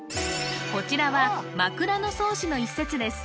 こちらは「枕草子」の一節です